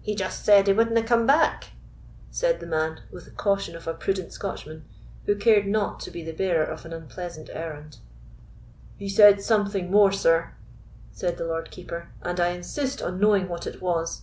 "He just said he wanda come back," said the man, with the caution of a prudent Scotchman, who cared not to be the bearer of an unpleasant errand. "He said something more, sir," said the Lord Keeper, "and I insist on knowing what it was."